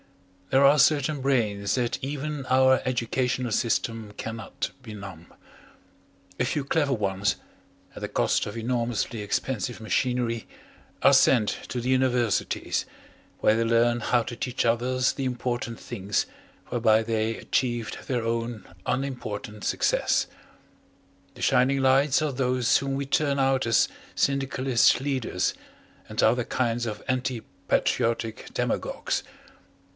There are certain brains that even our educational system cannot benumb. A few clever ones, at the cost of enormously expensive machinery, are sent to the universities, where they learn how to teach others the important things whereby they achieved their own unimportant success. The shining lights are those whom we turn out as syndicalist leaders and other kinds of anti patriotic demagogues.